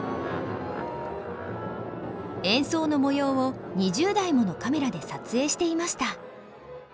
演奏の模様を２０台ものカメラで撮影していました。